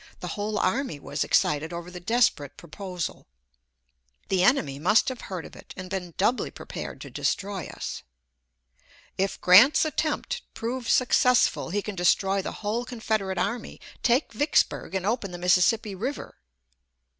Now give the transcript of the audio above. The whole army was excited over the desperate proposal. The enemy must have heard of it, and been doubly prepared to destroy us. "If Grant's attempt prove successful he can destroy the whole Confederate army, take Vicksburg, and open the Mississippi River."